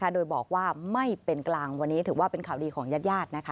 โดยบอกว่าไม่เป็นกลางวันนี้ถือว่าเป็นข่าวดีของญาติ